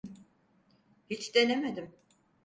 Hiç denemedim.